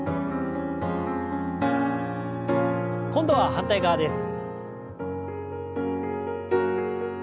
今度は反対側です。